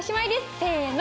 せの！